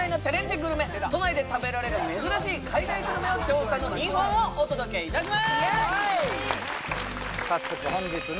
グルメ都内で食べられる珍しい海外グルメを調査の２本をお届けいたします！